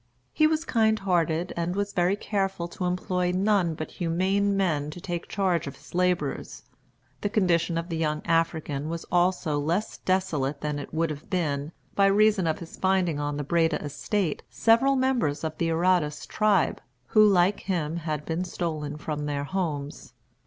He was kind hearted, and was very careful to employ none but humane men to take charge of his laborers. The condition of the young African was also less desolate than it would have been, by reason of his finding on the Breda estate several members of the Arradas tribe, who, like him, had been stolen from their homes.